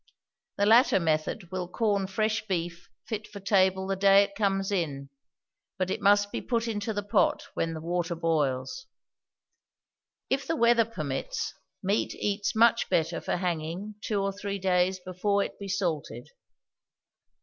The latter method will corn fresh beef fit for table the day it comes in; but it must be put into the pot when the water boils. If the weather permits, meat eats much better for hanging two or three days before it be salted.